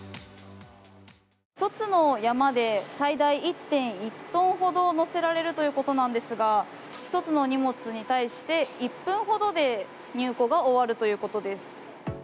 １つの山で最大１．１トンほど載せられるということですが１つの荷物に対して１分ほどで入庫が終わるということです。